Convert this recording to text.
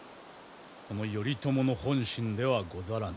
この頼朝の本心ではござらぬ。